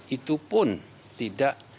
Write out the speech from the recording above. itu pun tidak